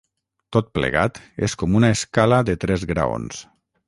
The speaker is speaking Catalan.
Tot plegat és com una escala de tres graons.